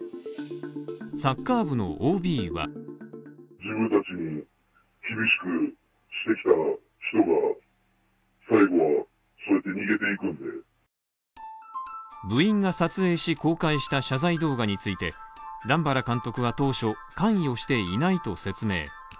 サッカー部のＯＢは部員が撮影し公開した謝罪動画について段原監督は当初、関与していないと説明。